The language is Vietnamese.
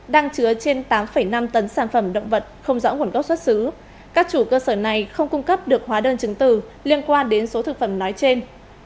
đang chứa trên tám năm tấn sản phẩm động vật không rõ nguồn gốc xuất xứ các chủ cơ sở này không cung cấp được hóa đơn chứng từ liên quan đến số thực phẩm nói trên